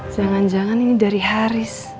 jangan jangan ini dari haris